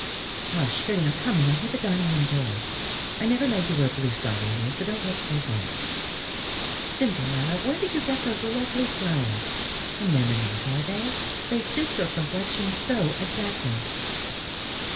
"Hush; here they are coming: I hear the dining room door! I never meant you were a blue stocking, dear, so don't look vexed. Cynthia, my love, where did you get those lovely flowers anemones, are they? They suit your complexion so exactly."